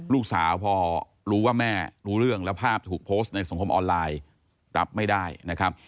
ลูกสาวพอรู้ว่าแม่รู้เรื่องแล้วภาพถูกโพสต์ในสังคมออนไลน์รับไม่ได้นะครับ